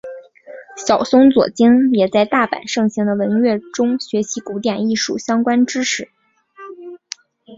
小松左京也在大阪盛行的文乐中学习古典艺术相关知识。